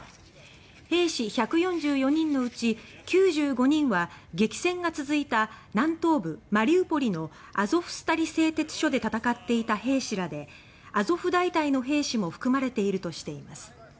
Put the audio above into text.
兵士１４４人のうち９５人は激戦が続いた南東部マリウポリのアゾフスタリ製鉄所で戦っていた兵士らでアゾフ大隊の兵士も含まれているとしています。